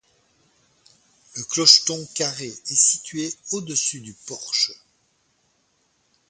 Le clocheton carré est situé au-dessus du porche.